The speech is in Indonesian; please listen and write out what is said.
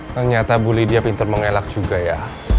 ternyata bu lydia pintar mengelak juga ya